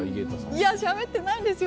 いやしゃべってないですよ